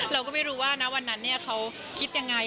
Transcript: เราก็ไม่รู้ว่าณวันนั้นเขาคิดยังไง